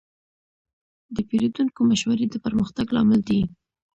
د پیرودونکو مشورې د پرمختګ لامل دي.